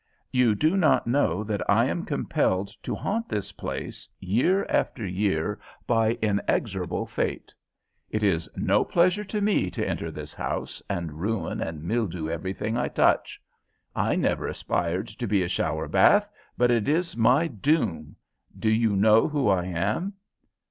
You do not know that I am compelled to haunt this place year after year by inexorable fate. It is no pleasure to me to enter this house, and ruin and mildew everything I touch. I never aspired to be a shower bath, but it is my doom. Do you know who I am?"